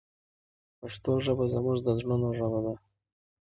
پښتو ژبه زموږ د زړونو ژبه ده.